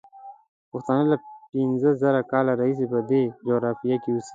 پښتانه له پینځه زره کاله راهیسې په دې جغرافیه کې اوسي.